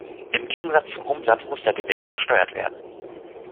Im Gegensatz zum Umsatz muss der Gewinn versteuert werden.